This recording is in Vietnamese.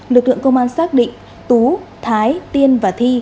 lực lượng công an xác định tú thái tiên và thi